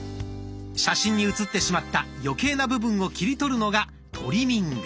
写真に写ってしまった余計な部分を切り取るのがトリミング。